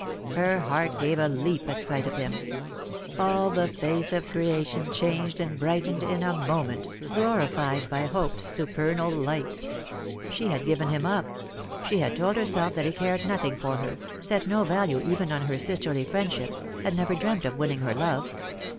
Her heart gave a leap at sight of him. All the face of creation changed and brightened in a moment, glorified by Hope's su pernal light. She had given him up; she had told herself that he cared nothing for her, set no value even on her sisterly friendship, had never dreamt of winning her love.